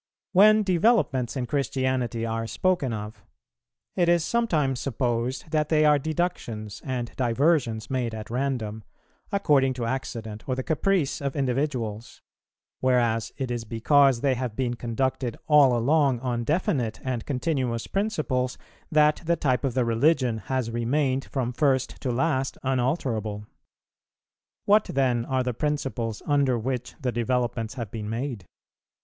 _ When developments in Christianity are spoken of, it is sometimes supposed that they are deductions and diversions made at random, according to accident or the caprice of individuals; whereas it is because they have been conducted all along on definite and continuous principles that the type of the Religion has remained from first to last unalterable. What then are the principles under which the developments have been made?